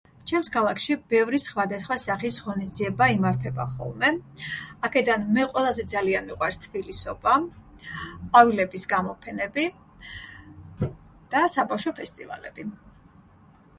ჩემს ქალაქში ბევრი სხვადასხვა სახის ღონისძიება იმართება ხოლმე აქედან მე ყველაზე ძალიან მიყვარს თბილისობა ყვავილების გამოფენები და საბავშვო ფესტივალები